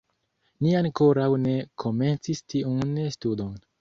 Ni ankoraŭ ne komencis tiun studon.